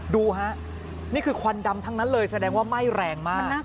ดูฮะนี่คือควันดำทั้งนั้นเลยแสดงว่าไหม้แรงมาก